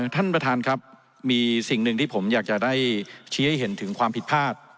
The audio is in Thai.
ท่านประธานครับมีสิ่งหนึ่งที่ผมอยากจะได้ชี้ให้เห็นถึงความผิดพลาด